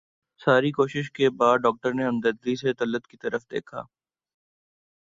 ساری کوششوں کے بعد ڈاکٹر نے ہمدردی سے طلعت کی طرف دیکھا